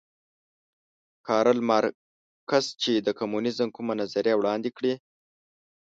کارل مارکس چې د کمونیزم کومه نظریه وړاندې کړې